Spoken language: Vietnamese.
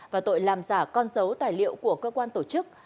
và tội làm giả con dấu tài liệu của cơ quan tổ chức